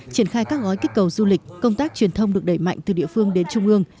triển khai các gói kích cầu du lịch công tác truyền thông được đẩy mạnh từ địa phương đến trung ương